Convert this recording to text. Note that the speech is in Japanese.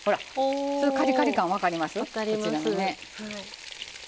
カリカリ感、分かります。